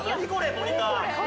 モニター。